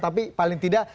tapi paling tidak